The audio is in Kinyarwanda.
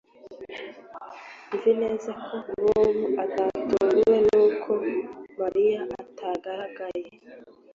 Nzi neza ko Bobo atatunguwe nuko Mariya atagaragaye